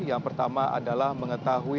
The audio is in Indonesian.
yang pertama adalah mengetahui